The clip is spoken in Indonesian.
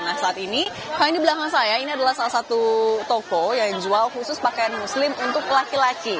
nah saat ini hal yang di belakang saya ini adalah salah satu toko yang jual khusus pakaian muslim untuk laki laki